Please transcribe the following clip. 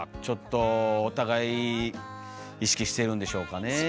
ちょっとお互い意識してるんでしょうかね。